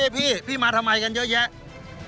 นี่พี่พี่มาทำไมกันเยอะแยะ